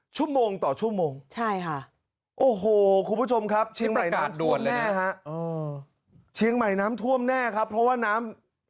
ชั่วโมงต่อชั่วโมงโอ้โหคุณผู้ชมครับเชียงใหม่น้ำท่วมแน่ครับเพราะว่าน้ำ